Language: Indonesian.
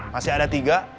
masih ada tiga